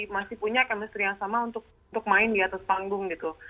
masih punya chemistry yang sama untuk main di atas panggung gitu